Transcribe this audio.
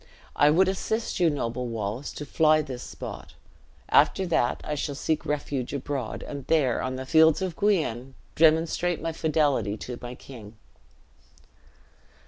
I would assist you, noble Wallace, to fly this spot. After that, I shall seek refuge abroad; and there, on the fields of Guienne, demonstrate my fidelity to my king."